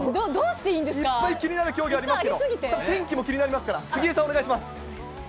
いっぱい気になる競技ありますけど、天気も気になりますから、杉江さん、お願いします。